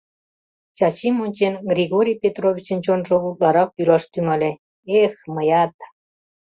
Чачим ончен, Григорий Петровичын чонжо утларак йӱлаш тӱҥале: «Эх, мыят!